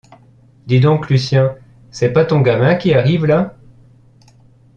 Dis donc, Lucien, c’est pas ton gamin qui arrive là ?